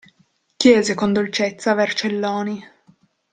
Chiese con dolcezza Vercelloni.